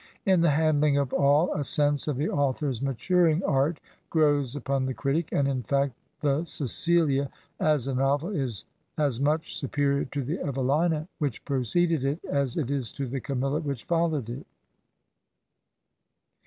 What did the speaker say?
In the handUng of all, a sense of the author's maturing art grows upon the critic ; and in fact the " Cecilia " as a novel is as much superior to the "Evelina" which preceded it as it is to the '' Camilla "which followed it.